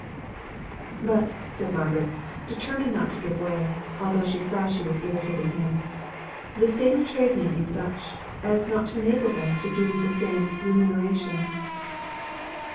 "But," said Margaret, determined not to give way, although she saw she was irritating him, "the state of trade may be such as not to enable them to give you the same remuneration."